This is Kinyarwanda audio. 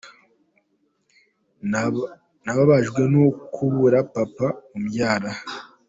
Nababajwe no kubura Papa umbyara.